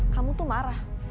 kamu tuh marah